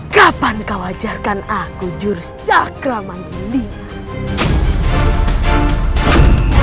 kapan kau ajarkan aku jurus cakra manggiling